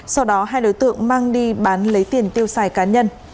sau đó hai đối tượng mang đi bán lấy tiền tiêu xài cá nhân